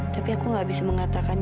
tapi aku nggak bisa mengatakan yang